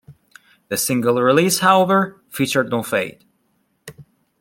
The single release, however, featured no fade.